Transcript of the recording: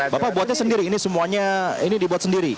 bapak buatnya sendiri ini semuanya ini dibuat sendiri